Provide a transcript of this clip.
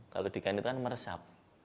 kalau di kain itu kan meresap